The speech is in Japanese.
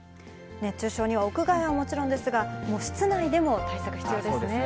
熱中症には、屋外はもちろんですが、もう室内でも対策必要ですね。